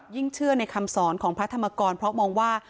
ยิ่งเชื่อในคำสอนของพระธรรมกรเพราะมองว่า